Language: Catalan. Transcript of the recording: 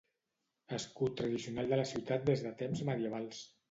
Escut tradicional de la ciutat des de temps medievals.